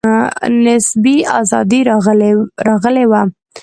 نسبي آزادي راغلې وه.